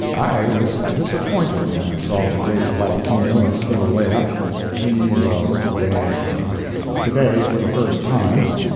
I was disappointed when I saw the great volcano of Kilauea (Ke low way ah) to day for the first time.